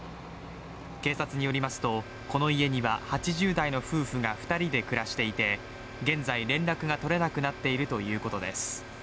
警察によりますと、この家には８０代の夫婦が２人で暮らしていて現在連絡が取れなくなっているということです。